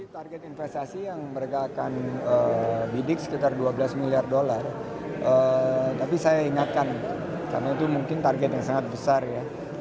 target investasi yang mereka akan bidik sekitar dua belas miliar dolar tapi saya ingatkan karena itu mungkin target yang sangat besar ya